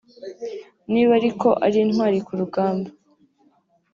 niba ariko ari n’intwari ku rugamba